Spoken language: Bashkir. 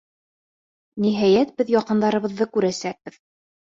Ниһайәт, беҙ яҡындарыбыҙҙы күрәсәкбеҙ.